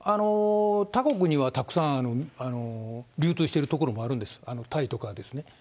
他国にはたくさん流通している所もあるんです、タイとかですね。